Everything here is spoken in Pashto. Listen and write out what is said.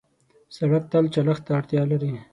سړک تل چلښت ته اړتیا لري.